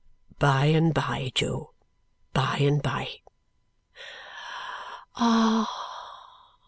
"By and by, Jo. By and by." "Ah!